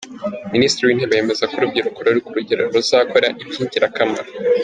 Minisitiri w’Intebe yemeza ko urubyiruko ruri ku rugerero ruzakora iby’ingirakamaro.